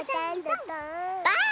ばあっ！